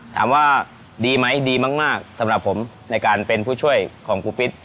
ถามว่าดีไหมดีมากสำหรับผมในการเป็นผู้ช่วยของปูปิ๊ด